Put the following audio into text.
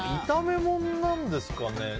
炒め物なんですかね。